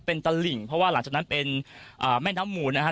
เป็นตลิ่งเพราะว่าหลังจากนั้นเป็นแม่น้ำมูลนะครับ